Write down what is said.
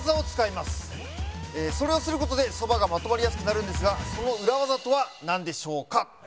それをする事でそばがまとまりやすくなるんですがその裏技とはなんでしょうか。